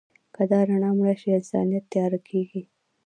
که دا رڼا مړه شي، انسانیت تیاره کېږي.